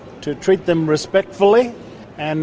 untuk menghormati mereka dengan hormat